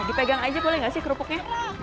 dipegang aja boleh nggak sih kerupuknya